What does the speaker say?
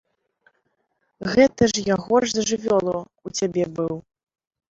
Гэта ж я горш за жывёлу ў цябе быў.